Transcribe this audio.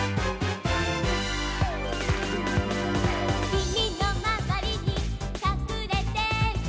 「君のまわりにかくれてる」